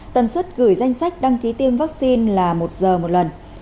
tần suất gửi danh sách đăng ký tiêm vaccine là một giờ một lần